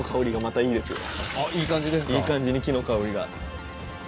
いい感じに木の香りが。